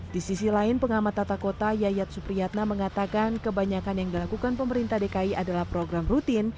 di sisi lain pengamat tata kota yayat supriyatna mengatakan kebanyakan yang dilakukan pemerintah dki adalah program rutin